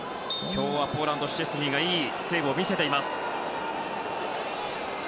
今日はポーランド、シュチェスニーがいいセーブを見せています。